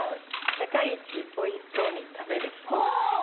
「世界一美味しそうに食べる人」ほう！